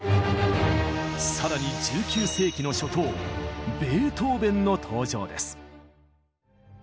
さらに１９世紀の初頭ベートーベンの登場です。